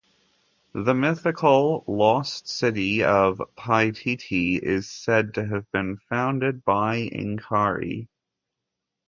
The mythical lost city of Paititi is said to have been founded by Inkarri.